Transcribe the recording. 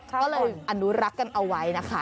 ก็เลยอนุรักษ์กันเอาไว้นะคะ